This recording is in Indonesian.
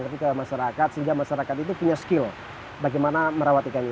tapi ke masyarakat sehingga masyarakat itu punya skill bagaimana merawat ikannya